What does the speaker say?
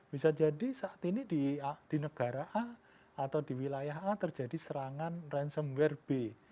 bisa jadi saat ini di negara a atau di wilayah a terjadi serangan ransomware b